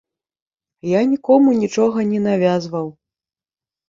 Я нікому нічога не навязваў.